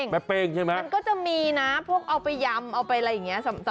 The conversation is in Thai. เป้งใช่ไหมมันก็จะมีนะพวกเอาไปยำเอาไปอะไรอย่างนี้